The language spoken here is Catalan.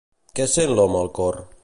Què sent l'home al cor?